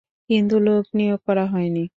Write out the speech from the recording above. কিন্তু, লোক নিয়োগ করা হয়নি।